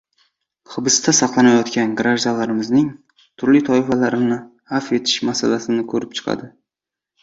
hibsda saqlanayotgan grajdanlarimizning turli toifalarini avf etish masalasini ko‘rib chiqadi.